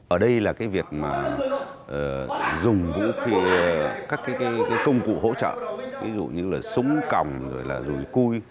ở đây là cái việc mà dùng vũ các cái công cụ hỗ trợ ví dụ như là súng còng rồi là rùi cui